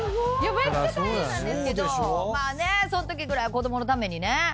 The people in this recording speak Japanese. めっちゃ大変なんですけどまあそんときぐらい子供のためにね。